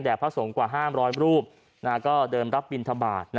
แดดพระศงฆ์กว่าห้ามร้อยรูปก็เดิมรับบิณฑบาท